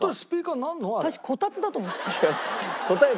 私こたつだと思ってた。